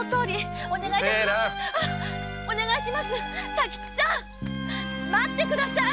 佐吉さん待ってください！